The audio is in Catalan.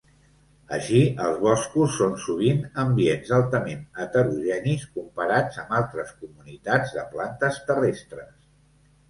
Així, els boscos són sovint ambients altament heterogenis comparats amb altres comunitats de plantes terrestres.